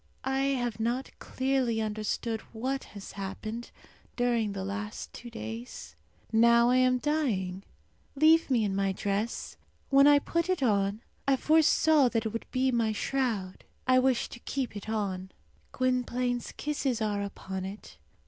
I have not clearly understood what has happened during the last two days. Now I am dying. Leave me in my dress. When I put it on I foresaw that it would be my shroud. I wish to keep it on. Gwynplaine's kisses are upon it.